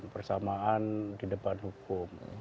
persamaan di depan hukum